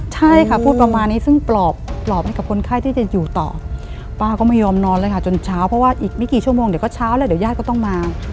ใช่ค่ะพูดประมาณนี้ซึ่งปลอบปลอบให้กับคนไข้ที่จะอยู่ต่อป้าก็ไม่ยอมนอนเลยค่ะจนเช้าเพราะว่าอีกไม่กี่ชั่วโมงเดี๋ยวก็เช้าแล้วเดี๋ยวญาติก็ต้องมา